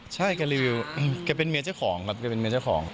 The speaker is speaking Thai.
ใช่แกรีวิวแกเป็นเมียเจ้าของครับแกเป็นเมียเจ้าของ